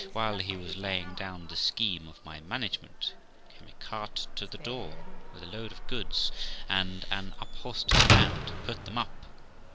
While he was laying down the scheme of my management, came a cart to the door with a load of goods, and an upholsterer's man to put them up.